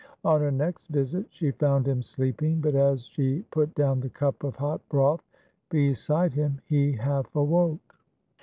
On her next visit she found him sleeping; but as she put down the cup of hot broth beside him he half woke.